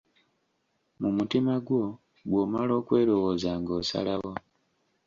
Mu mutima gwo bw'omala okwelowooza ng'osalawo.